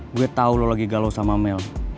gue tau lo lagi galau sama mel